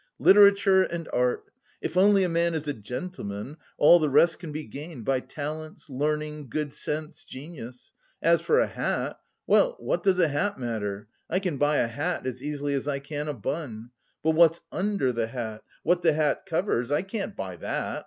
Literature and art! If only a man is a gentleman, all the rest can be gained by talents, learning, good sense, genius. As for a hat well, what does a hat matter? I can buy a hat as easily as I can a bun; but what's under the hat, what the hat covers, I can't buy that!